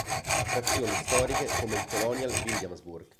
Attrazioni storiche come il Colonial Williamsburg.